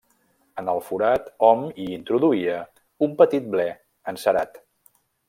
En el forat hom hi introduïa un petit ble encerat.